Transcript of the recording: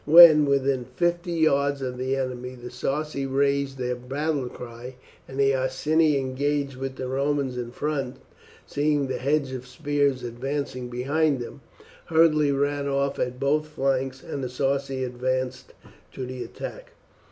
When within fifty yards of the enemy the Sarci raised their battle cry, and the Iceni engaged with the Romans in front, seeing the hedge of spears advancing behind them, hurriedly ran off at both flanks and the Sarci advanced to the attack.